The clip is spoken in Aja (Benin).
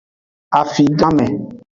Afiganme.